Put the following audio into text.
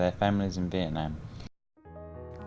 những cái gì chúng ta làm từ nhà